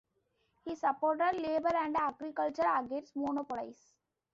He supported labor and agriculture against monopolies.